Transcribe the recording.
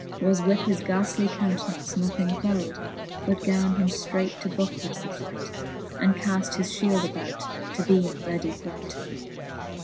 Was with his ghaftly count'nance nothing queld. But gan him ftreight to buckle to the fight, And caft his fhield about, to be in readie plight.